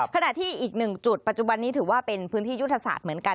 ขณะที่อีกหนึ่งจุดปัจจุบันนี้ถือว่าเป็นพื้นที่ยุทธศาสตร์เหมือนกัน